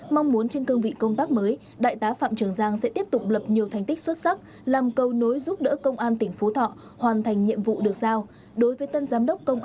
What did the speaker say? mong muốn trên cương vị công tác mới đại tá phạm trường giang sẽ tiếp tục lập nhiều thành tích xuất sắc làm câu nối giúp đỡ công an tỉnh phú thọ hoàn thành nhiệm vụ được giao